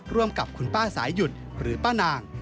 ร่วมกับคุณป้าสายหยุดหรือป้านาง